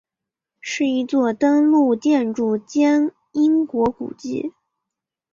是一座登录建筑兼英国古迹。